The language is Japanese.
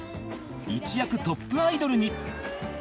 一躍トップアイドルに